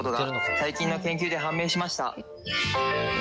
最近の研究で判明しました。